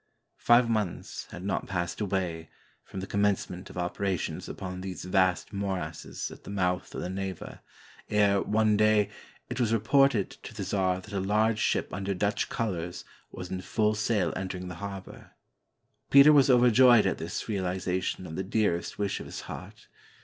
Five months had not passed away, from the com mencement of operations upon these vast morasses at the mouth of the Neva, ere, one day, it was reported to the czar that a large ship under Dutch colors was in full sail entering the harbor. Peter was overjoyed at this re alization of the dearest wish of his heart.